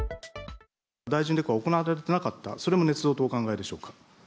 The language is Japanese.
大臣レクは行われてなかった、それもねつ造とお考えでしょうか。